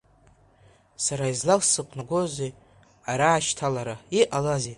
Сара изласықәнагозеи ара ашьҭалара, иҟалазеи?